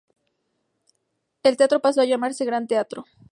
El teatro pasó a llamarse Gran Teatro.